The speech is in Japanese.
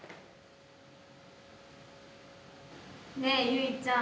ねえゆいちゃん。